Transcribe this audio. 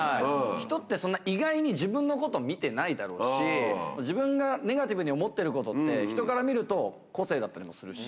人って、意外に自分のこと見てないだろうし、自分がネガティブに思っていることって、人から見ると個性だったりもするし。